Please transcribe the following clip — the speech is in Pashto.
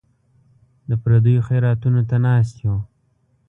د پردیو خیراتونو ته ناست یو.